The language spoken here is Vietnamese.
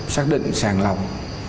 xác định sàng lòng